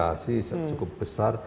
dan juga mendapatkan relokasi cukup besar